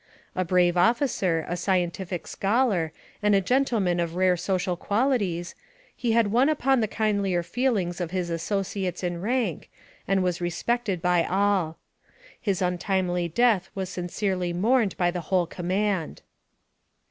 A brave officer, a scientific scholar, and a gentleman of rare social qualities, he had won upon the kindlier feelings of his associates in rank, and was respected by all. His untimely death was sincerely mourned by the whole command.